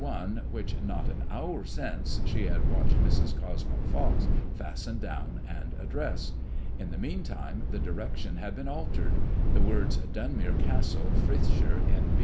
9I one which not an hour since the had watched Mrs. Cosmo Pox fasten down and address. In the meantime the direction had been altered. The words Dun mere Castle, Frithshire, N.